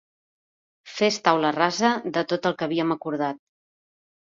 Fes taula rasa de tot el que havíem acordat.